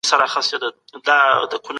زه کور تا په لاره یم